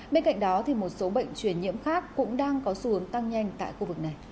bên cạnh đó một số bệnh truyền nhiễm khác cũng đang có xu hướng tăng nhanh tại khu vực này